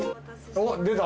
おっ出た？